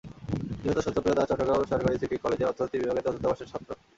নিহত সত্যপ্রিয় দাস চট্টগ্রাম সরকারি সিটি কলেজের অর্থনীতি বিভাগের চতুর্থ বর্ষের ছাত্র।